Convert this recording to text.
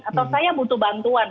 atau saya butuh bantuan